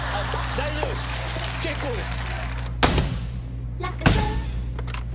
大丈夫です結構です。